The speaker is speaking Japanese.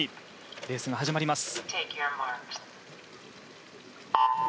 レースが始まります。